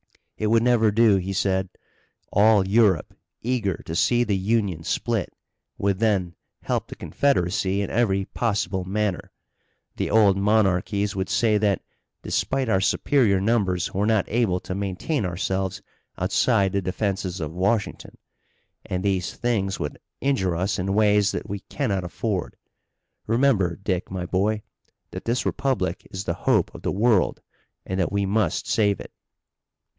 "It would never do," he said. "All Europe, eager to see the Union split, would then help the Confederacy in every possible manner. The old monarchies would say that despite our superior numbers we're not able to maintain ourselves outside the defenses of Washington. And these things would injure us in ways that we cannot afford. Remember, Dick, my boy, that this republic is the hope of the world, and that we must save it."